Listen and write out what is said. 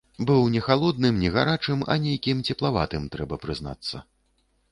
Быў не халодным і не гарачым, а нейкім цеплаватым, трэба прызнацца.